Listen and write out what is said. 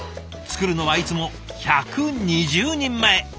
作るのはいつも１２０人前。